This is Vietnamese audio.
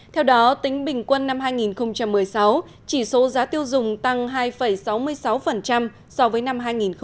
theo đó tính bình quân năm hai nghìn một mươi sáu chỉ số giá tiêu dùng tăng hai sáu mươi sáu so với năm hai nghìn một mươi bảy